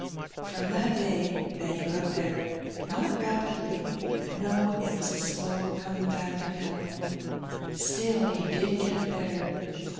From that day Benny got better. Not rapidly; no, it was a slow coming back to health; still, he did get better.